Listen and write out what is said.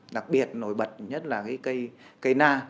đặc biệt nổi bật nhất là cây na